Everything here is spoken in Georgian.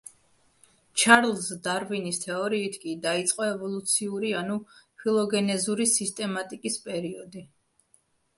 ჩარლზ დარვინის თეორიით კი დაიწყო ევოლუციური ანუ ფილოგენეზური სისტემატიკის პერიოდი.